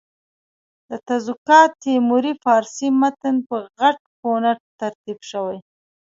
د تزوکات تیموري فارسي متن په غټ فونټ ترتیب شوی.